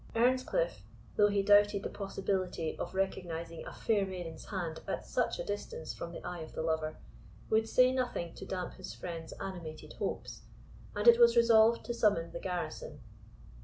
Earnscliff, though he doubted the possibility of recognising a fair maiden's hand at such a distance from the eye of the lover, would say nothing to damp his friend's animated hopes, and it was resolved to summon the garrison.